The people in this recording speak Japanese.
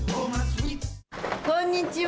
こんにちは。